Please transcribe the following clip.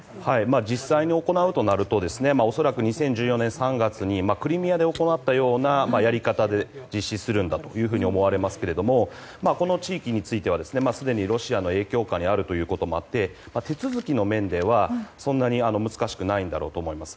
実際に行うとなると恐らく２０１４年３月にクリミアで行ったようなやり方で実施するんだと思われますがこの地域についてはすでにロシアの影響下にあるということもあって手続きの面ではそんなに難しくないんだろうと思います。